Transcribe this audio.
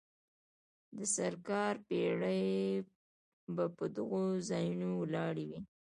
د سرکار پیرې به په دغو ځایونو ولاړې وې.